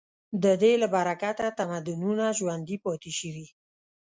د دې له برکته تمدنونه ژوندي پاتې شوي.